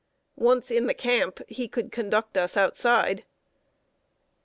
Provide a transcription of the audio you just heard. Once in the camp, he could conduct us outside.